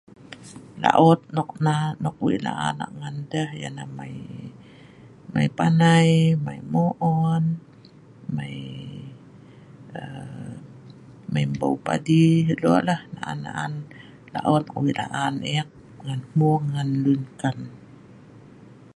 Laot nok wei laan ngan deh yah nah mai panai, mai mo'on ,mai mbeu padi lok lah naan laot wei laan ek ngan hmung ngan lun ngkan